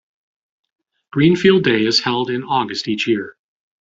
Greenfield Day is held in August each year.